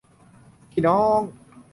พี่น้อง